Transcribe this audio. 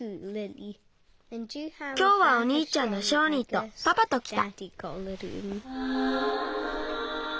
きょうはおにいちゃんのショーニーとパパときた。